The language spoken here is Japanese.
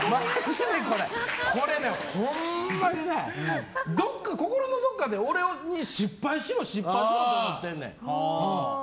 これほんまに心のどこかで俺に失敗しろって思ってんねん。